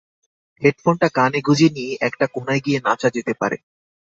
হেডফোনটা কানে গুজে নিয়ে, একটা কোণায় গিয়ে নাচা যেতে পারে।